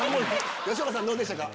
吉岡さんどうでしたか？